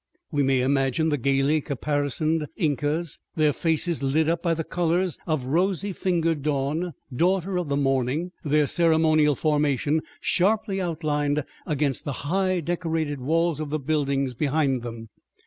We may imagine the gayly caparisoned Incas, their faces lit up by the colors of "rosy fingered dawn, daughter of the morning," their ceremonial formation sharply outlined against the high, decorated walls of the buildings behind them.